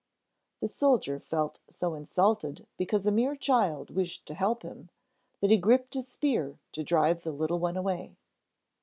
The soldier felt so insulted because a mere child wished to help him that he gripped his spear to drive the little one away.